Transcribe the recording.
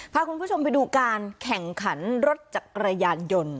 พาคุณผู้ชมไปดูการแข่งขันรถจักรยานยนต์